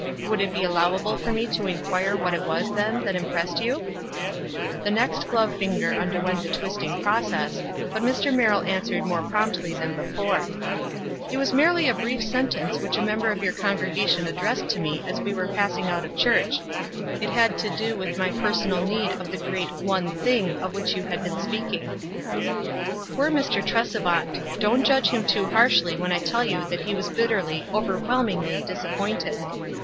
"Would it be allowable for me to inquire what it was, then, that im pressed you ?" "The next glove finger underwent the twist ing process, but Mr. Merrill answered more promptly than before, —" It was merely a brief sentence which a mem ber of your congregation addressed to mo as we WISE AND OTHERWISE. 205 were passing out of church. It had to do with my personal need of the great r One thing' of which you had been speaking." Poor Mr. Tresevant ! Don't judge him too harshly when I tell you that he was bitterly, overwhelmingly disappointed.